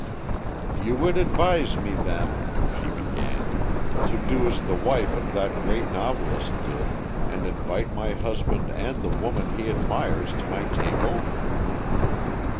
"You would advise me then," she began, "to do as the wife of that great novelist did, and invite my husband and the woman he admires to my table?"